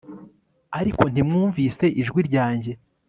ariko ntimwumvise ijwi ryanjye